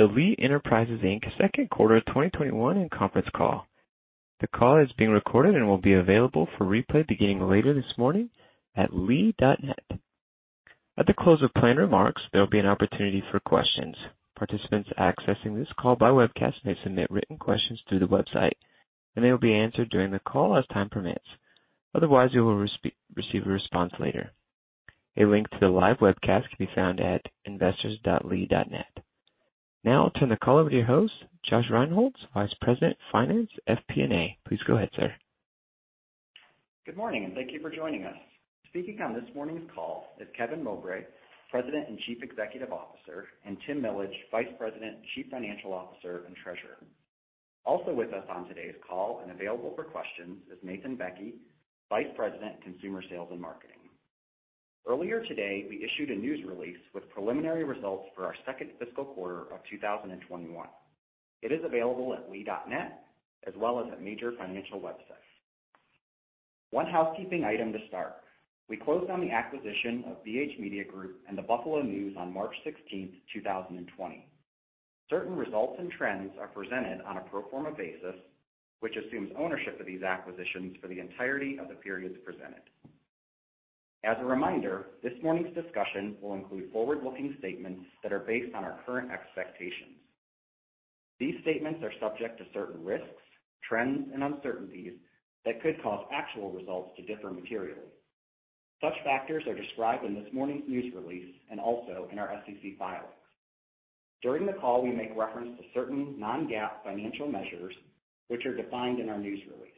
Welcome to the Lee Enterprises, Inc. second quarter 2021 conference call. The call is being recorded and will be available for replay beginning later this morning at lee.net. At the close of planned remarks, there'll be an opportunity for questions. Participants accessing this call by webcast may submit written questions through the website, and they'll be answered during the call as time permits. Otherwise, you will receive a response later. A link to the live webcast can be found at investors.lee.net. Now I'll turn the call over to your host, Josh Rinehults, Vice President of Finance, FP&A. Please go ahead, sir. Good morning, and thank you for joining us. Speaking on this morning's call is Kevin Mowbray, President and Chief Executive Officer, and Tim Millage, Vice President, Chief Financial Officer, and Treasurer. Also with us on today's call and available for questions is Nathan Bekke, Vice President, Consumer Sales and Marketing. Earlier today, we issued a news release with preliminary results for our second fiscal quarter of 2021. It is available at lee.net as well as at major financial websites. One housekeeping item to start. We closed on the acquisition of BH Media Group and The Buffalo News on March 16th, 2020. Certain results and trends are presented on a pro forma basis, which assumes ownership of these acquisitions for the entirety of the periods presented. As a reminder, this morning's discussion will include forward-looking statements that are based on our current expectations. These statements are subject to certain risks, trends, and uncertainties that could cause actual results to differ materially. Such factors are described in this morning's news release and also in our SEC filings. During the call, we make reference to certain non-GAAP financial measures which are defined in our news release.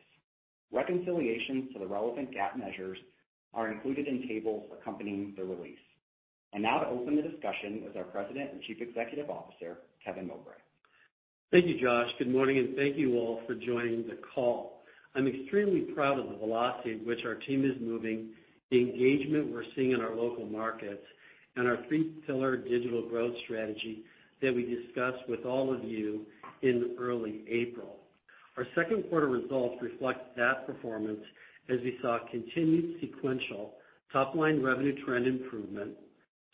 Reconciliations to the relevant GAAP measures are included in tables accompanying the release. Now to open the discussion is our President and Chief Executive Officer, Kevin Mowbray. Thank you, Josh. Good morning, thank you all for joining the call. I'm extremely proud of the velocity at which our team is moving, the engagement we're seeing in our local markets, and our three-pillar digital growth strategy that we discussed with all of you in early April. Our second quarter results reflect that performance as we saw continued sequential top-line revenue trend improvement,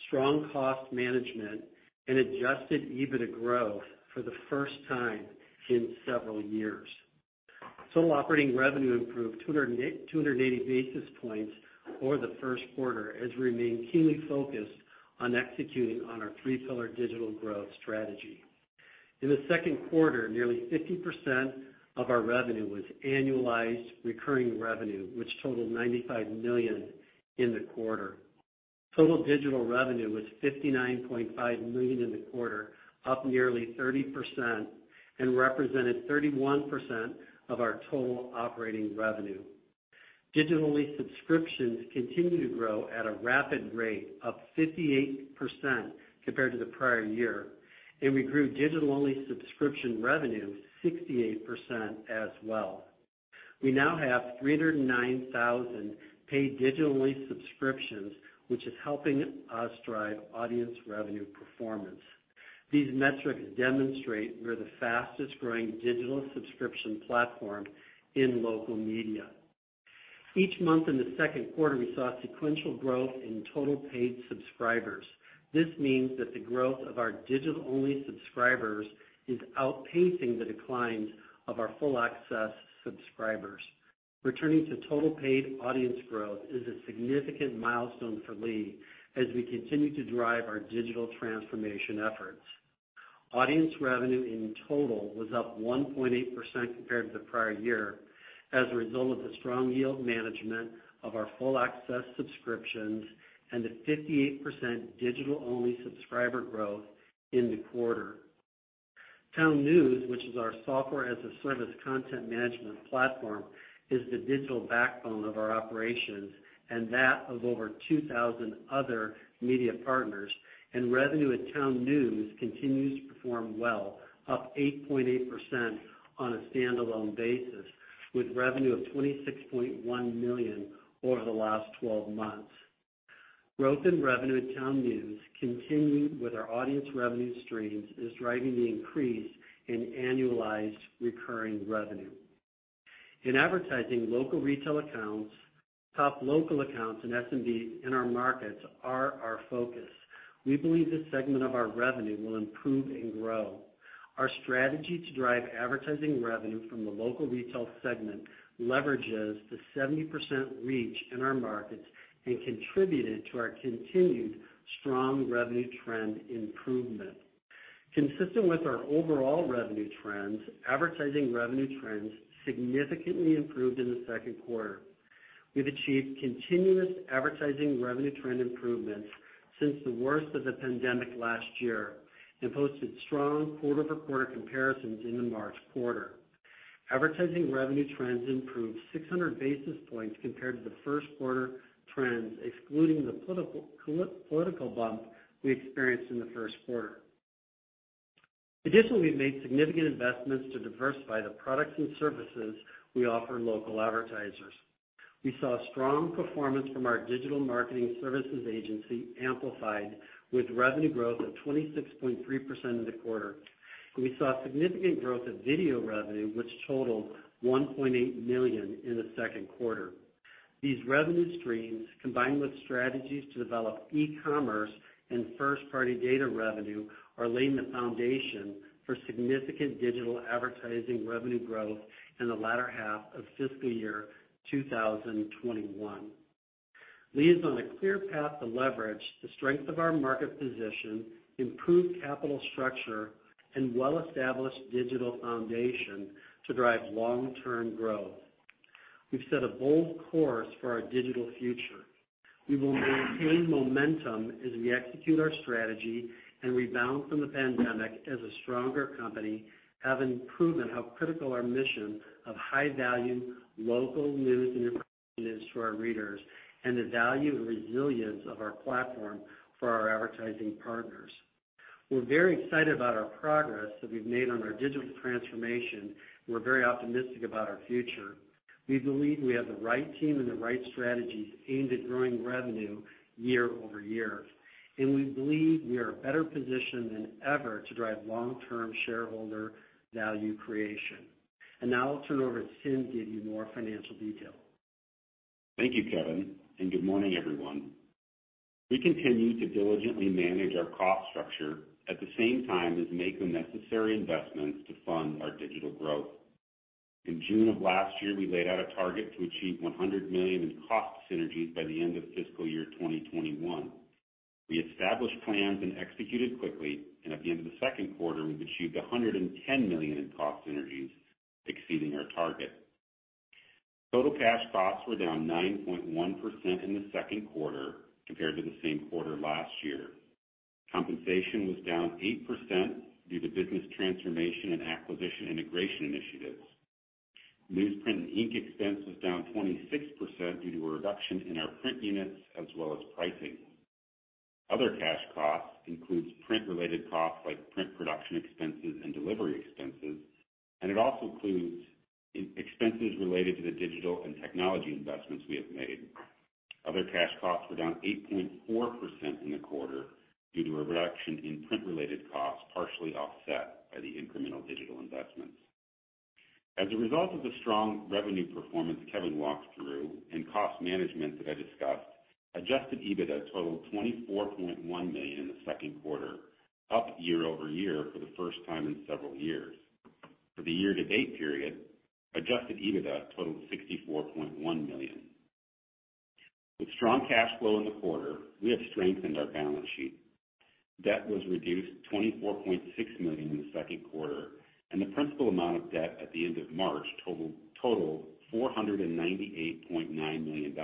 strong cost management, and adjusted EBITDA growth for the first time in several years. Total operating revenue improved 280 basis points over the first quarter as we remain keenly focused on executing on our three-pillar digital growth strategy. In the second quarter, nearly 50% of our revenue was annualized recurring revenue, which totaled $95 million in the quarter. Total digital revenue was $59.5 million in the quarter, up nearly 30%, and represented 31% of our total operating revenue. Digital-only subscriptions continue to grow at a rapid rate, up 58% compared to the prior year. We grew digital-only subscription revenue 68% as well. We now have 309,000 paid digital-only subscriptions, which is helping us drive audience revenue performance. These metrics demonstrate we're the fastest-growing digital subscription platform in local media. Each month in the second quarter, we saw sequential growth in total paid subscribers. This means that the growth of our digital-only subscribers is outpacing the declines of our full access subscribers. Returning to total paid audience growth is a significant milestone for Lee as we continue to drive our digital transformation efforts. Audience revenue in total was up 1.8% compared to the prior year as a result of the strong yield management of our full access subscriptions and the 58% digital-only subscriber growth in the quarter. TownNews, which is our software-as-a-service content management platform, is the digital backbone of our operations and that of over 2,000 other media partners, and revenue at TownNews continues to perform well, up 8.8% on a standalone basis, with revenue of $26.1 million over the last 12 months. Growth in revenue at TownNews continued with our audience revenue streams, is driving the increase in annualized recurring revenue. In advertising local retail accounts, top local accounts in SMB in our markets are our focus. We believe this segment of our revenue will improve and grow. Our strategy to drive advertising revenue from the local retail segment leverages the 70% reach in our markets and contributed to our continued strong revenue trend improvement. Consistent with our overall revenue trends, advertising revenue trends significantly improved in the second quarter. We've achieved continuous advertising revenue trend improvements since the worst of the pandemic last year and posted strong quarter-over-quarter comparisons in the March quarter. Advertising revenue trends improved 600 basis points compared to the first quarter trends, excluding the political bump we experienced in the first quarter. Additionally, we've made significant investments to diversify the products and services we offer local advertisers. We saw strong performance from our digital marketing services agency, Amplified, with revenue growth of 26.3% in the quarter. We saw significant growth of video revenue, which totaled $1.8 million in the second quarter. These revenue streams, combined with strategies to develop e-commerce and first-party data revenue, are laying the foundation for significant digital advertising revenue growth in the latter half of fiscal year 2021. Lee is on a clear path to leverage the strength of our market position, improve capital structure, and well-established digital foundation to drive long-term growth. We've set a bold course for our digital future. We will maintain momentum as we execute our strategy and rebound from the pandemic as a stronger company, having proven how critical our mission of high-value local news and information is to our readers, and the value and resilience of our platform for our advertising partners. We're very excited about our progress that we've made on our digital transformation. We're very optimistic about our future. We believe we have the right team and the right strategies aimed at growing revenue year-over-year, and we believe we are better positioned than ever to drive long-term shareholder value creation. Now I'll turn it over to Tim to give you more financial detail. Thank you, Kevin, and good morning, everyone. We continue to diligently manage our cost structure at the same time as make the necessary investments to fund our digital growth. In June of last year, we laid out a target to achieve $100 million in cost synergies by the end of fiscal year 2021. We established plans and executed quickly, and at the end of the second quarter, we've achieved $110 million in cost synergies, exceeding our target. Total cash costs were down 9.1% in the second quarter compared to the same quarter last year. Compensation was down 8% due to business transformation and acquisition integration initiatives. Newsprint and ink expense was down 26% due to a reduction in our print units as well as pricing. Other cash costs includes print-related costs like print production expenses and delivery expenses, and it also includes expenses related to the digital and technology investments we have made. Other cash costs were down 8.4% in the quarter due to a reduction in print-related costs, partially offset by the incremental digital investments. As a result of the strong revenue performance Kevin walked through and cost management that I discussed, adjusted EBITDA totaled $24.1 million in the second quarter, up year-over-year for the first time in several years. For the year-to-date period, adjusted EBITDA totaled $64.1 million. With strong cash flow in the quarter, we have strengthened our balance sheet. Debt was reduced $24.6 million in the second quarter, and the principal amount of debt at the end of March totaled $498.9 million.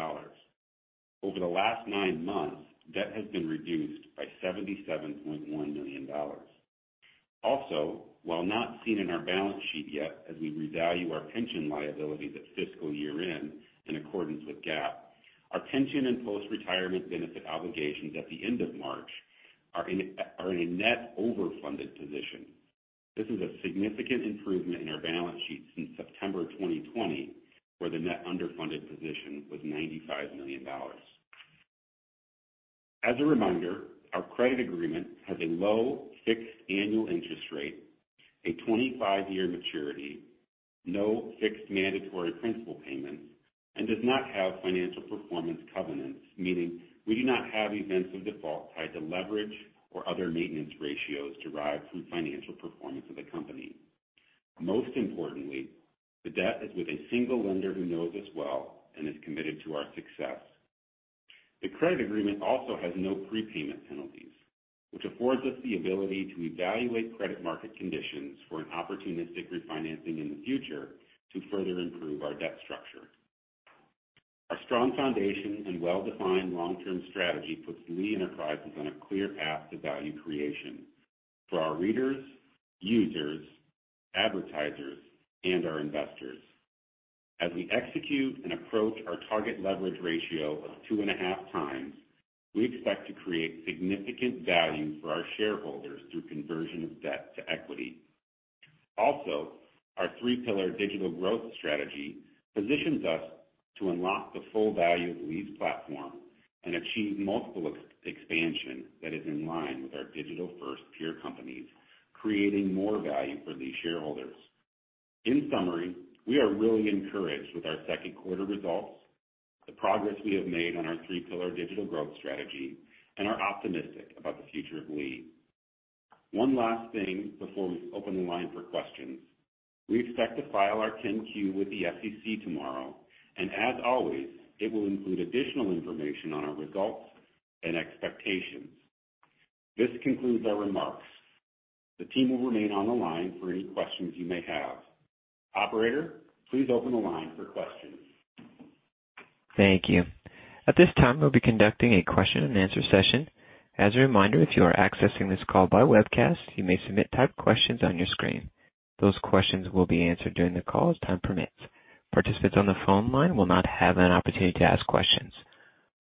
Over the last nine months, debt has been reduced by $77.1 million. Also, while not seen in our balance sheet yet, as we revalue our pension liability at fiscal year-end in accordance with GAAP, our pension and post-retirement benefit obligations at the end of March are in a net overfunded position. This is a significant improvement in our balance sheet since September 2020, where the net underfunded position was $95 million. As a reminder, our credit agreement has a low fixed annual interest rate, a 25-year maturity, no fixed mandatory principal payments, and does not have financial performance covenants, meaning we do not have events of default tied to leverage or other maintenance ratios derived from financial performance of the company. Most importantly, the debt is with a single lender who knows us well and is committed to our success. The credit agreement also has no prepayment penalties, which affords us the ability to evaluate credit market conditions for an opportunistic refinancing in the future to further improve our debt structure. Our strong foundation and well-defined long-term strategy puts Lee Enterprises on a clear path to value creation for our readers, users, advertisers, and our investors. As we execute and approach our target leverage ratio of two and a half times, we expect to create significant value for our shareholders through conversion of debt to equity. Also, our three-pillar digital growth strategy positions us to unlock the full value of Lee's platform and achieve multiple expansion that is in line with our digital-first peer companies, creating more value for these shareholders. In summary, we are really encouraged with our second quarter results, the progress we have made on our three-pillar digital growth strategy, and are optimistic about the future of Lee. One last thing before we open the line for questions. We expect to file our 10-Q with the SEC tomorrow, and as always, it will include additional information on our results and expectations. This concludes our remarks. The team will remain on the line for any questions you may have. Operator, please open the line for questions. Thank you. At this time, we'll be conducting a question and answer session. As a reminder, if you are accessing this call by webcast, you may submit typed questions on your screen. Those questions will be answered during the call as time permits. Participants on the phone line will not have an opportunity to ask questions.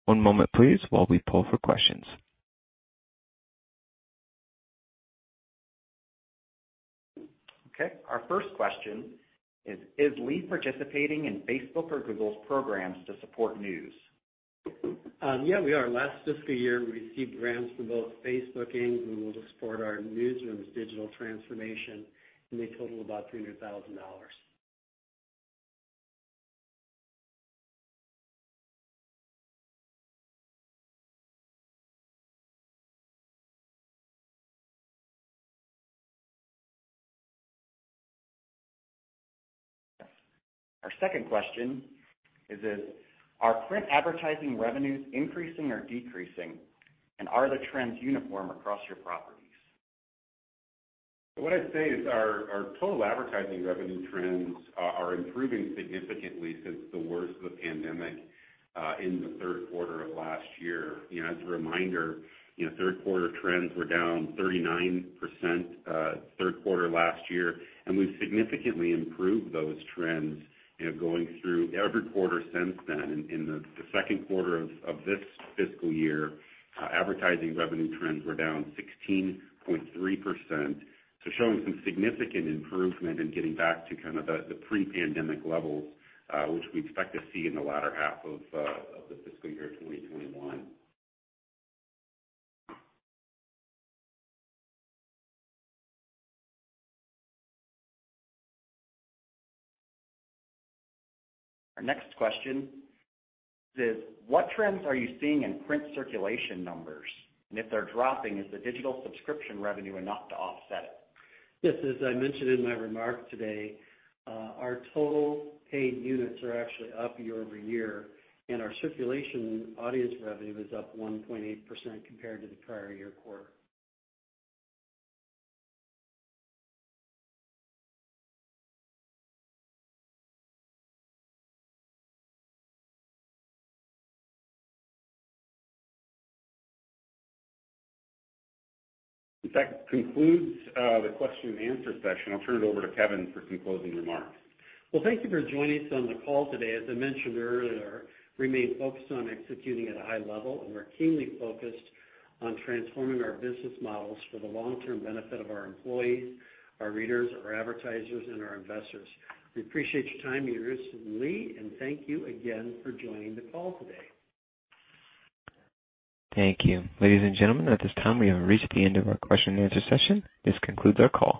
One moment please, while we poll for questions. Okay. Our first question is: Is Lee participating in Facebook or Google's programs to support news? Yeah, we are. Last fiscal year, we received grants from both Facebook and Google to support our newsroom's digital transformation, and they total about $300,000. Our second question is: Are print advertising revenues increasing or decreasing, and are the trends uniform across your properties? What I'd say is our total advertising revenue trends are improving significantly since the worst of the pandemic in the third quarter of last year. As a reminder, third quarter trends were down 39% third quarter last year, and we've significantly improved those trends going through every quarter since then. In the second quarter of this fiscal year, advertising revenue trends were down 16.3%. Showing some significant improvement in getting back to kind of the pre-pandemic levels, which we expect to see in the latter half of the fiscal year 2021. Our next question is: What trends are you seeing in print circulation numbers? And if they're dropping, is the digital subscription revenue enough to offset it? Yes, as I mentioned in my remarks today, our total paid units are actually up year-over-year. Our circulation audience revenue is up 1.8% compared to the prior year quarter. That concludes the question and answer session. I'll turn it over to Kevin for some closing remarks. Well, thank you for joining us on the call today. As I mentioned earlier, we remain focused on executing at a high level. We're keenly focused on transforming our business models for the long-term benefit of our employees, our readers, our advertisers, and our investors. We appreciate your time here at Lee. Thank you again for joining the call today. Thank you. Ladies and gentlemen, at this time, we have reached the end of our question and answer session. This concludes our call.